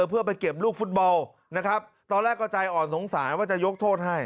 เพื่อไปเก็บลูกฟุตบอลนะครับตอนแรกก็ใจอ่อนสงสารว่าจะยกโทษให้